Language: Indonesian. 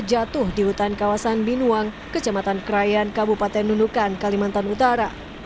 jatuh di hutan kawasan binuang kecamatan krayan kabupaten nunukan kalimantan utara